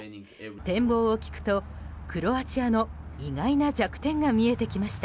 展望を聞くと、クロアチアの意外な弱点が見えてきました。